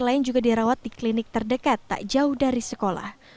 lain juga dirawat di klinik terdekat tak jauh dari sekolah